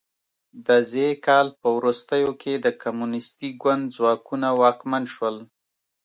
د ز کال په وروستیو کې د کمونیستي ګوند ځواکونه واکمن شول.